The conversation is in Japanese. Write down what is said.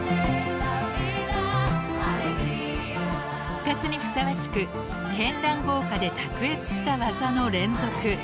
［復活にふさわしく絢爛豪華で卓越した技の連続］